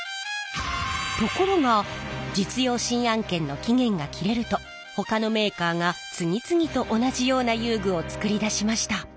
ところが実用新案権の期限が切れるとほかのメーカーが次々と同じような遊具を作り出しました。